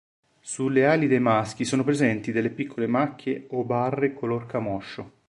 Sulle ali dei maschi sono presenti delle piccole macchie o barre color camoscio.